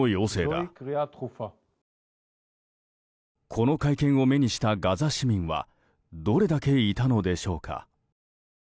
この会見を目にしたガザ市民はどれだけいたのでしょうか。